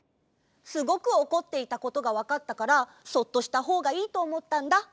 すごくおこっていたことがわかったからそっとしたほうがいいとおもったんだ。